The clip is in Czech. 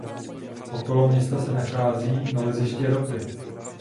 Okolo města se nacházejí naleziště ropy.